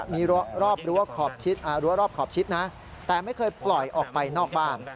มีรับรวบขอบชิดนะแต่ไม่เคยปล่อยออกไปนอกบ้าง